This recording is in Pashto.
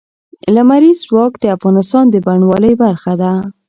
لمریز ځواک د افغانستان د بڼوالۍ برخه ده.